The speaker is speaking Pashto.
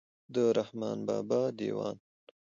د رحمان بابا دېوان.